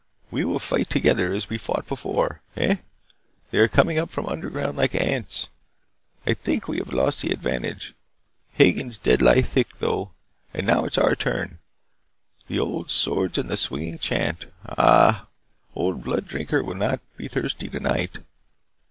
We will fight together, as we fought before. Eh, they are coming up from underground like ants. I think we have lost the advantage. Hagen's dead lie thick, though. And now it is our turn. The old swords and the swinging chant. Ah, Old Blood Drinker will not be thirsty tonight.